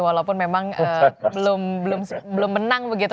walaupun memang belum menang begitu